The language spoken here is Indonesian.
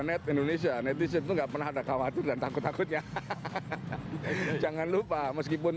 net indonesia netizen itu enggak pernah ada khawatir dan takut takutnya jangan lupa meskipun